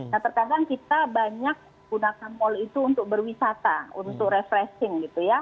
nah terkadang kita banyak gunakan mal itu untuk berwisata untuk refreshing gitu ya